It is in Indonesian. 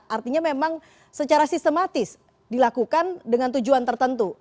artinya memang secara sistematis dilakukan dengan tujuan tertentu